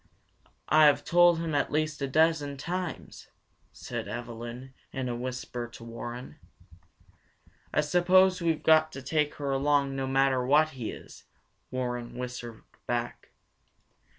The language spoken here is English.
"I have told him at least a dozen times," said Evelyn in a whisper to Warren. "I suppose we have got to take her along, no matter what he is," Warren whispered back.